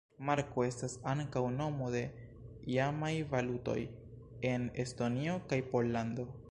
Marko estas ankaŭ nomo de iamaj valutoj en Estonio kaj Pollando.